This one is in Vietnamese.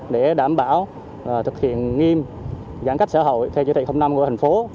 để đảm bảo thực hiện nghiêm giãn cách xã hội theo chủ tịch năm của thành phố